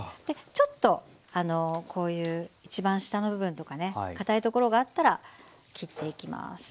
ちょっとこういういちばん下の部分とかね堅い所があったら切っていきます。